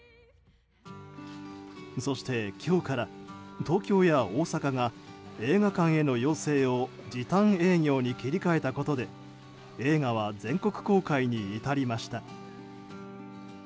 そして今日から、東京や大阪が映画館への要請を時短営業に切り替えたことで映画は全国公開に至りました。